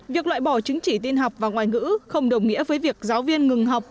việc loại bỏ chứng chỉ tin học và ngoại ngữ không đồng nghĩa với việc giáo viên ngừng học